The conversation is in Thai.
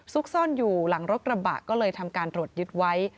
ซุกซ่อนอยู่หลังรถกระบะก็เลยทำการตรวจยึดไว้